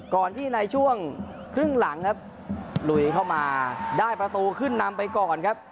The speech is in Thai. ก่อนที่ในช่วงครึ่งหลังครับลุยเข้ามาได้ประตูขึ้นนำไปก่อนครับ